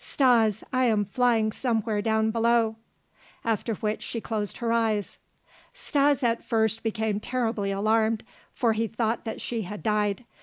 "Stas, I am flying somewhere down below." After which she closed her eyes. Stas at first became terribly alarmed for he thought that she had died.